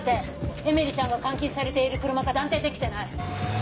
えみりちゃんが監禁されている車か断定できてない。